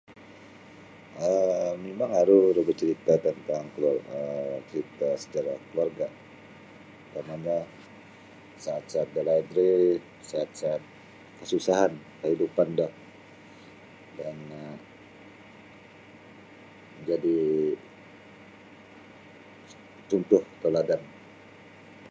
um Mimang aru iro bacarita' tantang kaluar carita' sejarah kaluarga' tarutamanyo saat-saat dalaid ri saat-saat kasusahan kaidupan do dan um jadi' cuntuh tauladan.